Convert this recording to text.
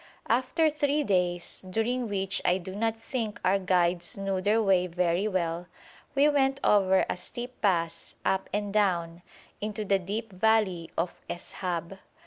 After three days, during which I do not think our guides knew their way very well, we went over a steep pass, up and down, into the deep valley of Es'hab.